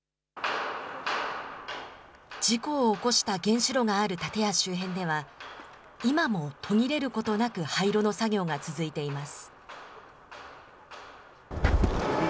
事故を起こした原子炉がある建屋周辺では、今も途切れることなく、廃炉の作業が続いています。